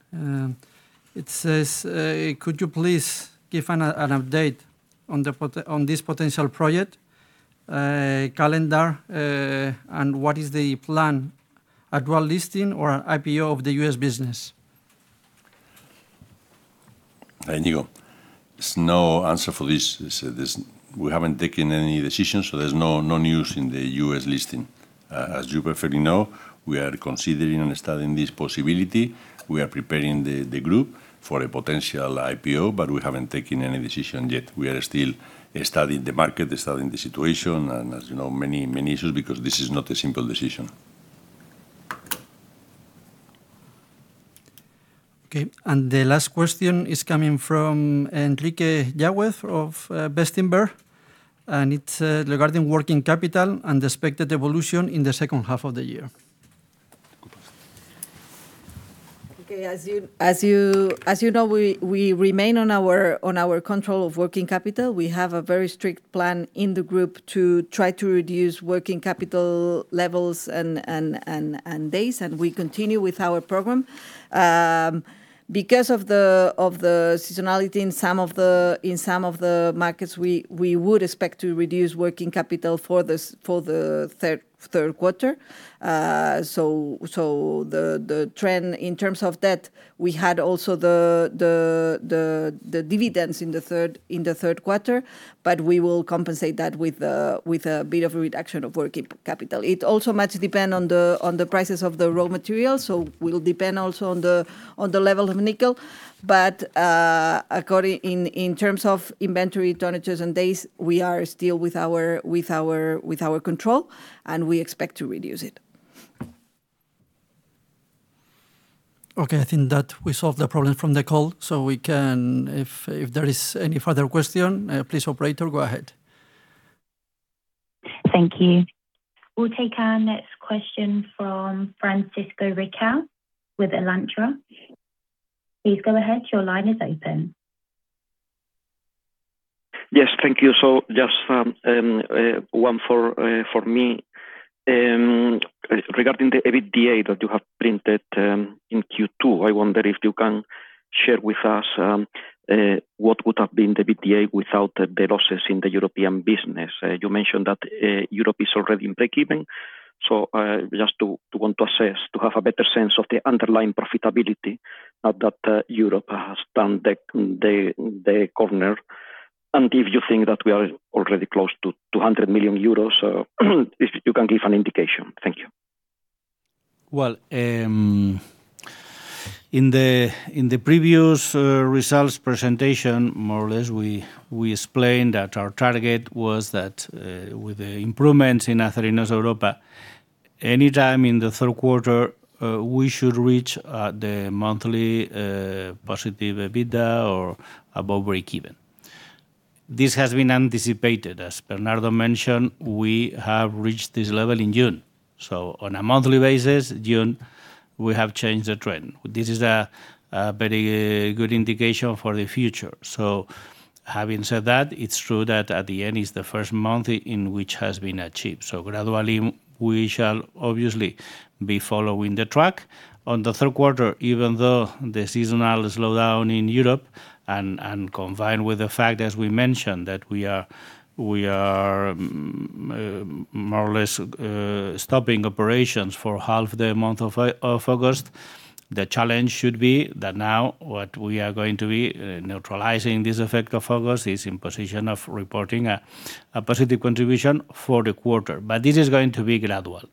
It says, could you please give an update on this potential project, calendar, and what is the plan? A dual listing or an IPO of the U.S. business? Hi, Iñigo. There's no answer for this. We haven't taken any decisions. There's no news in the U.S. listing. As you perfectly know, we are considering and studying this possibility. We are preparing the group for a potential IPO, but we haven't taken any decision yet. We are still studying the market, studying the situation, as you know, many issues, because this is not a simple decision. The last question is coming from Enrique Yáguez of Bestinver. It's regarding working capital and expected evolution in the second half of the year. As you know, we remain on our control of working capital. We have a very strict plan in the group to try to reduce working capital levels and days. We continue with our program. Because of the seasonality in some of the markets, we would expect to reduce working capital for the third quarter. The trend in terms of that, we had also the dividends in the third quarter, we will compensate that with a bit of a reduction of working capital. It also much depend on the prices of the raw materials, will depend also on the level of nickel. In terms of inventory turnages and days, we are still with our control, we expect to reduce it. I think that we solved the problem from the call. If there is any further question, please operator, go ahead. Thank you. We will take our next question from Francisco Riquel with Alantra. Please go ahead. Your line is open Yes. Thank you. Just one for me. Regarding the EBITDA that you have printed in Q2, I wonder if you can share with us what would have been the EBITDA without the losses in the European business. You mentioned that Europe is already in breakeven. Just to want to assess, to have a better sense of the underlying profitability now that Europe has turned the corner, and if you think that we are already close to 200 million euros, if you can give an indication. Thank you. In the previous results presentation, more or less, we explained that our target was that with the improvements in Acerinox Europa, any time in the third quarter, we should reach the monthly positive EBITDA or above breakeven. This has been anticipated. As Bernardo mentioned, we have reached this level in June. On a monthly basis, June, we have changed the trend. This is a very good indication for the future. Having said that, it is true that at the end is the first month in which has been achieved. Gradually, we shall obviously be following the track on the third quarter, even though the seasonal slowdown in Europe and combined with the fact, as we mentioned, that we are more or less stopping operations for half the month of August. The challenge should be that now what we are going to be neutralizing this effect of August is in position of reporting a positive contribution for the quarter. This is going to be gradual.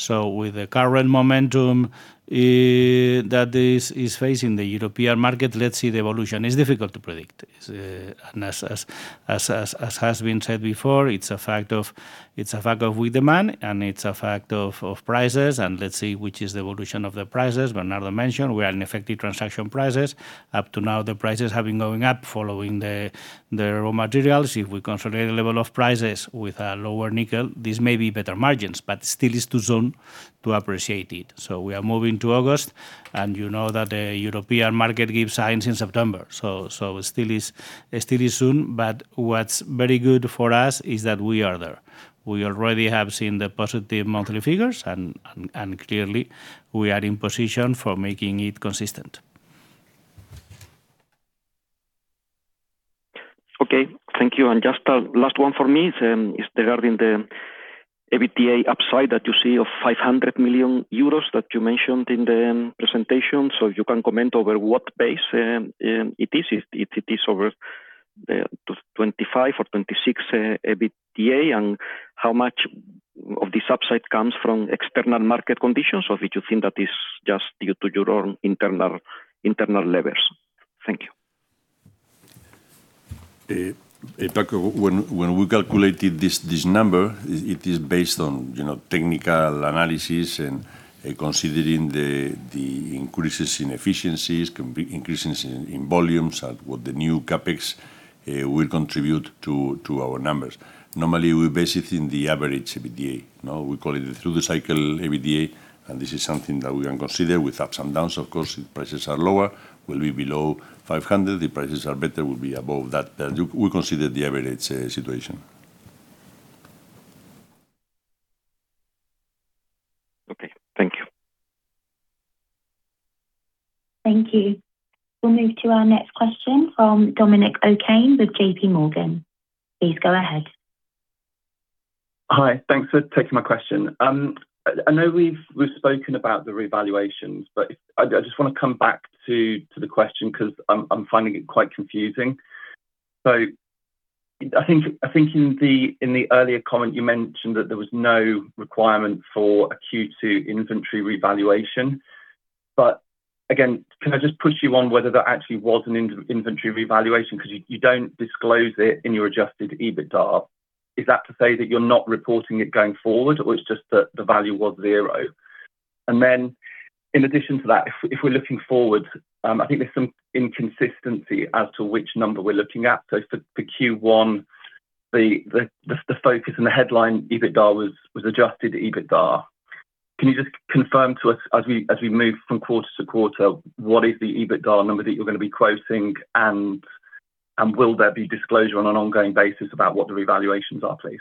With the current momentum that is facing the European market, let's see the evolution. It is difficult to predict. As has been said before, it is a fact of with demand and it is a fact of prices, and let's see which is the evolution of the prices. Bernardo mentioned we are in effective transaction prices. Up to now, the prices have been going up following the raw materials. If we consolidate the level of prices with a lower nickel, this may be better margins but still is too soon to appreciate it. We are moving to August, and you know that the European market gives signs in September. It still is soon, but what's very good for us is that we are there. We already have seen the positive monthly figures and clearly, we are in position for making it consistent. Okay. Thank you. Just last one for me, it's regarding the EBITDA upside that you see of 500 million euros that you mentioned in the presentation. If you can comment over what base it is. If it is over the 2025 or 2026 EBITDA, and how much of this upside comes from external market conditions, or if you think that is just due to your own internal levers. Thank you. Paco, when we calculated this number, it is based on technical analysis and considering the increases in efficiencies, increases in volumes, and what the new CapEx will contribute to our numbers. Normally, we base it in the average EBITDA. We call it the through the cycle EBITDA, and this is something that we can consider with ups and downs, of course. If prices are lower, we'll be below 500 million. If the prices are better, we'll be above that. We consider the average situation. Okay. Thank you. Thank you. We'll move to our next question from Dominic O'Kane with J.P. Morgan. Please go ahead. Hi. Thanks for taking my question. I know we've spoken about the revaluations, but I just want to come back to the question because I'm finding it quite confusing. I think in the earlier comment, you mentioned that there was no requirement for a Q2 inventory revaluation. Again, can I just push you on whether that actually was an inventory revaluation? Because you don't disclose it in your adjusted EBITDA. Is that to say that you're not reporting it going forward, or it's just that the value was zero? In addition to that, if we're looking forward, I think there's some inconsistency as to which number we're looking at. For Q1, the focus and the headline EBITDA was adjusted EBITDA. Can you just confirm to us as we move from quarter to quarter, what is the EBITDA number that you're going to be quoting, and will there be disclosure on an ongoing basis about what the revaluations are, please?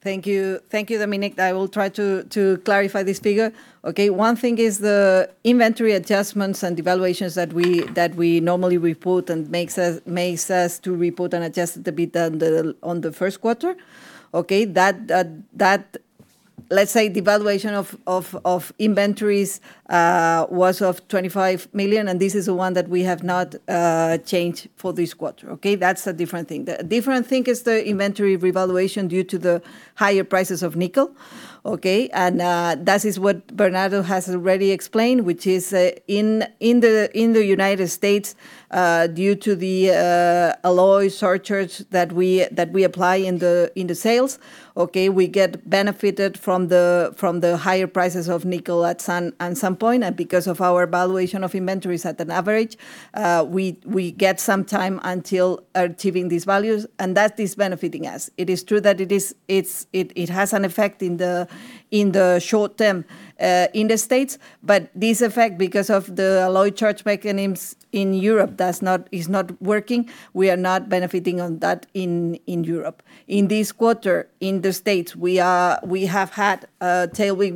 Thank you. Thank you, Dominic. I will try to clarify this figure. Okay. One thing is the inventory adjustments and evaluations that we normally report and makes us to report an adjusted EBITDA on the first quarter. Okay. Let's say the valuation of inventories was of 25 million, and this is the one that we have not changed for this quarter. Okay? That's a different thing. The different thing is the inventory revaluation due to the higher prices of nickel. Okay? That is what Bernardo has already explained, which is in the U.S., due to the alloy surcharges that we apply in the sales, okay, we get benefited from the higher prices of nickel at some point. Because of our valuation of inventories at an average, we get some time until achieving these values, and that is benefiting us. It is true that it has an effect in the short term in the States, this effect, because of the alloy surcharge mechanisms in Europe, is not working. We are not benefiting on that in Europe. In this quarter, in the States, we have had a tailwind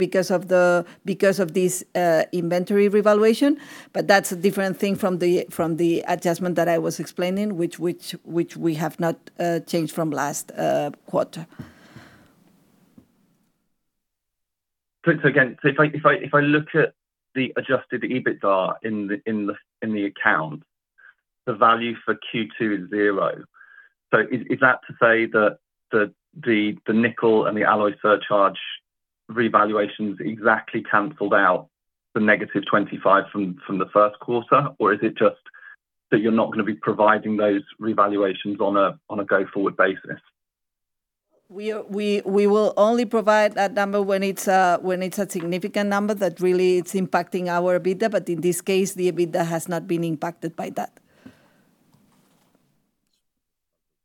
because of this inventory revaluation, that's a different thing from the adjustment that I was explaining, which we have not changed from last quarter. Again, if I look at the adjusted EBITDA in the account, the value for Q2 is 0. Is that to say that the nickel and the alloy surcharge revaluations exactly canceled out the -25 from the first quarter? Is it just that you're not going to be providing those revaluations on a go-forward basis? We will only provide that number when it's a significant number that really it's impacting our EBITDA, In this case, the EBITDA has not been impacted by that.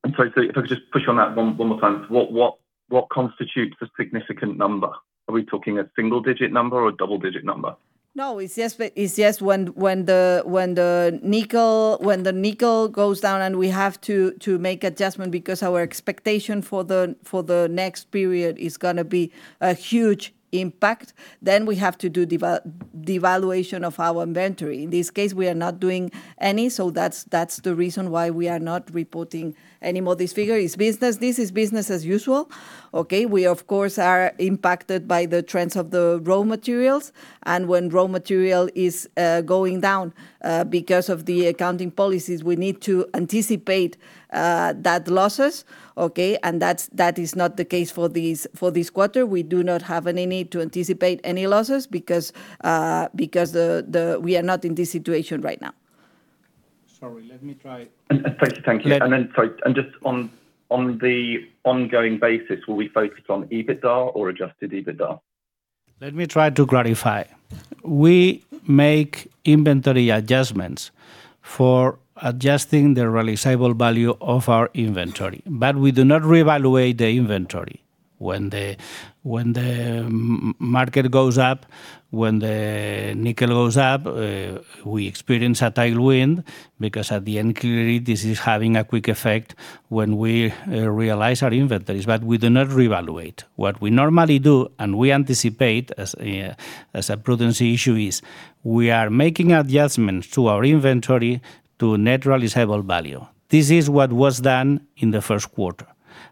I'm sorry, if I could just push on that one more time. What constitutes a significant number? Are we talking a single-digit number or a double-digit number? No, it's just when the nickel goes down. We have to make adjustment because our expectation for the next period is going to be a huge impact. We have to do devaluation of our inventory. In this case, we are not doing any. That's the reason why we are not reporting any more this figure. This is business as usual. Okay. We of course, are impacted by the trends of the raw materials. When raw material is going down, because of the accounting policies, we need to anticipate that losses. That is not the case for this quarter. We do not have any need to anticipate any losses because we are not in this situation right now. Sorry, let me try. Thank you. Sorry, just on the ongoing basis, will we focus on EBITDA or adjusted EBITDA? Let me try to clarify. We make inventory adjustments for adjusting the realizable value of our inventory. We do not reevaluate the inventory. When the market goes up, when the nickel goes up, we experience a tailwind because at the end, clearly, this is having a quick effect when we realize our inventories. We do not reevaluate. What we normally do, we anticipate as a prudence issue is, we are making adjustments to our inventory to net realizable value. This is what was done in the first quarter.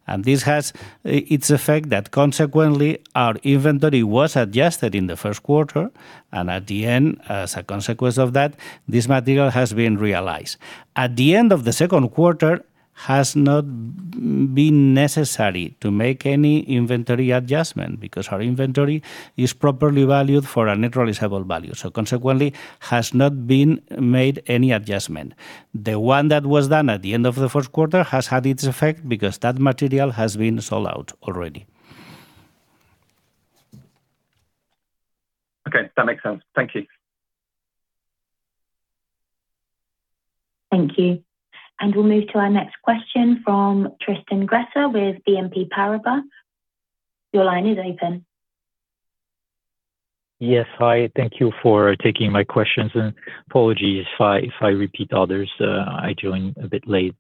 Its effect that, consequently, our inventory was adjusted in the first quarter. At the end, as a consequence of that, this material has been realized. At the end of the second quarter has not been necessary to make any inventory adjustment because our inventory is properly valued for a net realizable value. Consequently, has not been made any adjustment. The one that was done at the end of the first quarter has had its effect because that material has been sold out already. Okay. That makes sense. Thank you. Thank you. We'll move to our next question from Tristan Gresser with BNP Paribas. Your line is open. Yes. Hi, thank you for taking my questions, and apologies if I repeat others, I joined a bit late.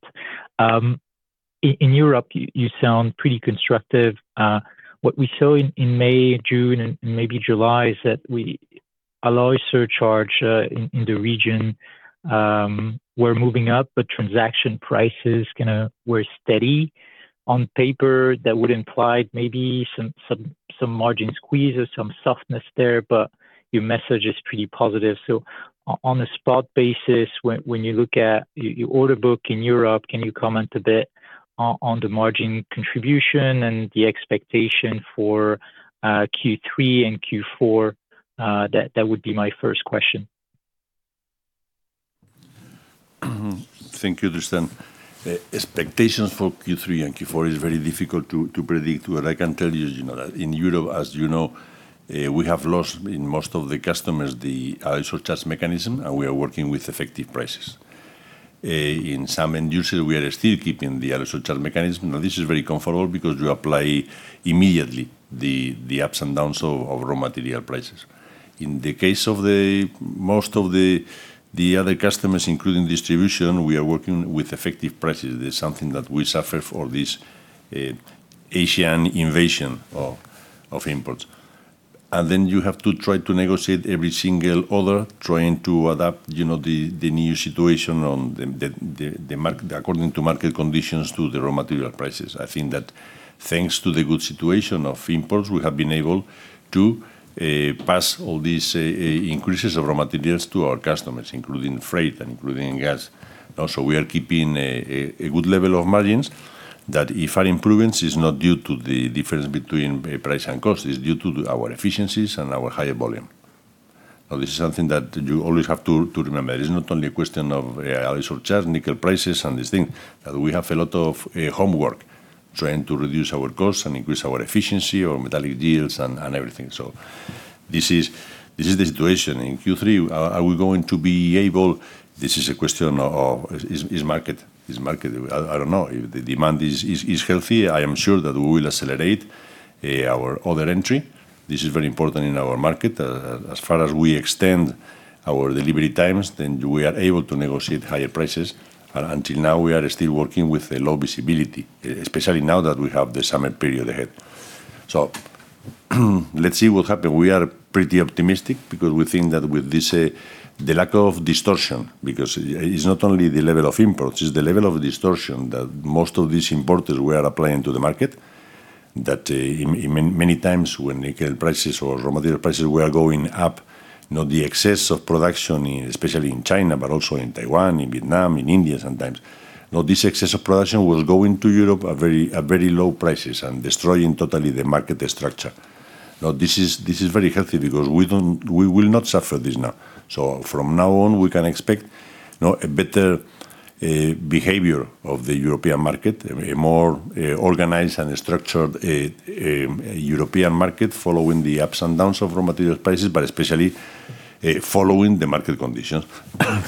In Europe, you sound pretty constructive. What we saw in May, June, and maybe July is that alloy surcharge, in the region, were moving up, but transaction prices were steady. On paper, that would imply maybe some margin squeeze or some softness there, but your message is pretty positive. On a spot basis, when you look at your order book in Europe, can you comment a bit on the margin contribution and the expectation for Q3 and Q4? That would be my first question. Thank you, Tristan. Expectations for Q3 and Q4 is very difficult to predict. What I can tell you is that in Europe, as you know, we have lost in most of the customers the alloy surcharge mechanism, and we are working with effective prices. In some end users, we are still keeping the alloy surcharge mechanism. Now, this is very comfortable because you apply immediately the ups and downs of raw material prices. In the case of most of the other customers, including distribution, we are working with effective prices. This is something that we suffer for this Asian invasion of imports. Then you have to try to negotiate every single order, trying to adapt the new situation according to market conditions to the raw material prices. I think that thanks to the good situation of imports, we have been able to pass all these increases of raw materials to our customers, including freight and including gas. Also, we are keeping a good level of margins that if are improvements, is not due to the difference between price and cost. It's due to our efficiencies and our higher volume. Now, this is something that you always have to remember. It is not only a question of alloy surcharge, nickel prices and this thing. That we have a lot of homework trying to reduce our costs and increase our efficiency on metallic deals and everything. This is the situation. In Q3, are we going to be able? This is a question of, is market. I don't know. The demand is healthy. I am sure that we will accelerate our order entry. This is very important in our market. As far as we extend our delivery times, we are able to negotiate higher prices. Until now, we are still working with a low visibility, especially now that we have the summer period ahead. Let's see what happen. We are pretty optimistic because we think that with the lack of distortion, because it's not only the level of imports, it's the level of distortion that most of these importers were applying to the market. Many times, when nickel prices or raw material prices were going up, the excess of production, especially in China, but also in Taiwan, in Vietnam, in India sometimes, this excess of production was going to Europe at very low prices and destroying totally the market structure. Now, this is very healthy because we will not suffer this now. From now on, we can expect a better behavior of the European market, a more organized and structured European market following the ups and downs of raw material prices, but especially following the market conditions,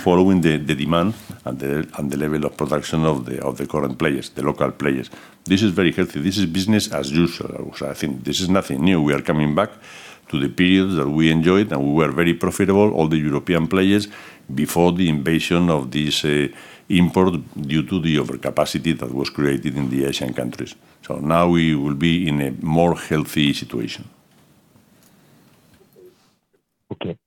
following the demand and the level of production of the current players, the local players. This is very healthy. This is business as usual. I think this is nothing new. We are coming back to the period that we enjoyed, and we were very profitable, all the European players, before the invasion of this import due to the overcapacity that was created in the Asian countries. Now we will be in a more healthy situation. Okay.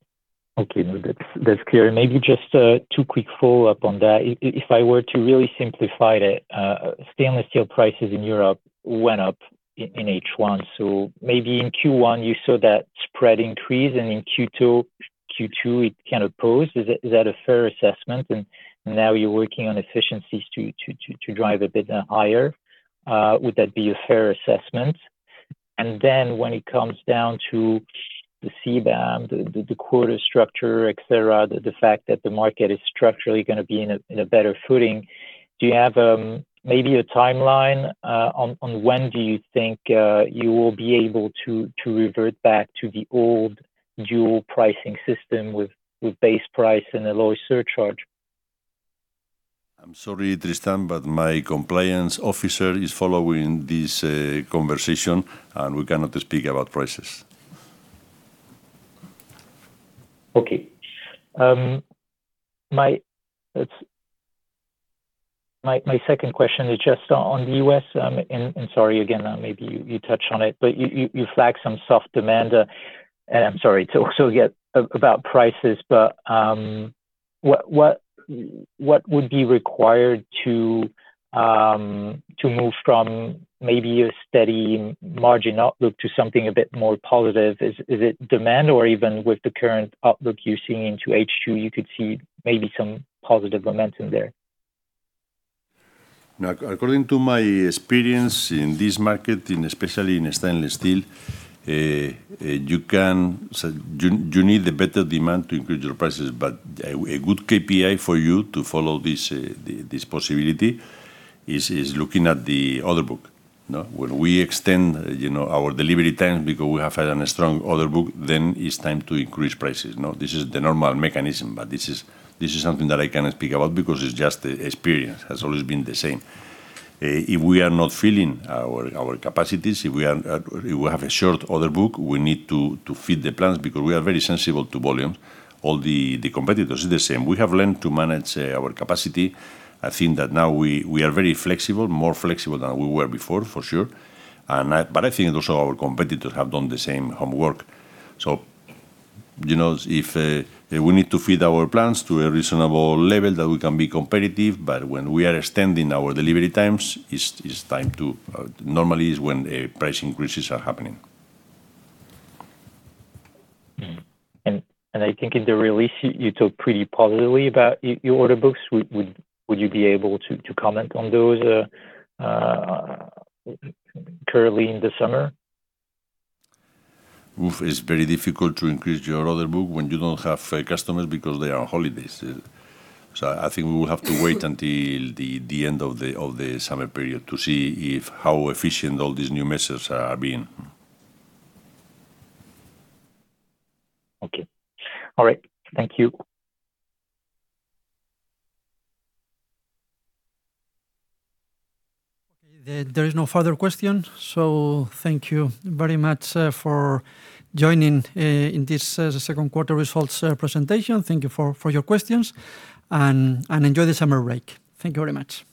Now that's clear. Maybe just two quick follow-up on that. If I were to really simplify that, stainless steel prices in Europe went up in H1. Maybe in Q1, you saw that spread increase, and in Q2, it kind of posed. Is that a fair assessment? Now you're working on efficiencies to drive a bit higher. Would that be a fair assessment? When it comes down to the CBAM, the quarter structure, et cetera, the fact that the market is structurally going to be in a better footing, do you have maybe a timeline on when do you think you will be able to revert back to the old dual pricing system with base price and a lower surcharge? I'm sorry, Tristan, my compliance officer is following this conversation, we cannot speak about prices. Okay. My second question is just on the U.S., sorry again, maybe you touched on it, you flagged some soft demand. I'm sorry to also get about prices, what would be required to move from maybe a steady margin outlook to something a bit more positive? Is it demand or even with the current outlook you're seeing into H2, you could see maybe some positive momentum there? According to my experience in this market, especially in stainless steel, you need better demand to increase your prices. A good KPI for you to follow this possibility is looking at the order book. When we extend our delivery time because we have had a strong order book, it's time to increase prices. This is the normal mechanism; this is something that I can speak about because it's just experience. It has always been the same. If we are not filling our capacities, if we have a short order book, we need to feed the plans because we are very sensible to volume. All the competitors is the same. We have learned to manage our capacity. I think that now we are very flexible, more flexible than we were before, for sure. I think also our competitors have done the same homework. If we need to feed our plants to a reasonable level that we can be competitive, when we are extending our delivery times, normally it's when price increases are happening. I think in the release, you talked pretty positively about your order books. Would you be able to comment on those currently in the summer? It's very difficult to increase your order book when you don't have customers because they are on holidays. I think we will have to wait until the end of the summer period to see how efficient all these new measures are being. Okay. All right. Thank you. Okay. There is no further question. Thank you very much for joining in this second quarter results presentation. Thank you for your questions and enjoy the summer break. Thank you very much.